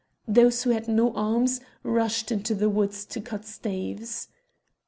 Those who had no arms rushed into the woods to cut staves.